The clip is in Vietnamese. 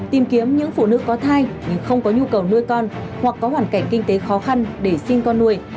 tìm kiếm những phụ nữ có thai nhưng không có nhu cầu nuôi con hoặc có hoàn cảnh kinh tế khó khăn để sinh con nuôi